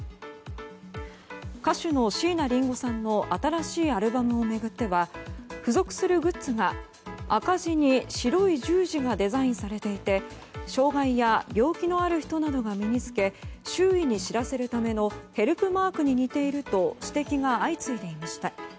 歌手の椎名林檎さんの新しいアルバムを巡っては付属するグッズが、赤地に白い十字がデザインされていて障害や病気のある人などが身に付け周囲に知らせるためのヘルプマークに似ていると指摘が相次いでいました。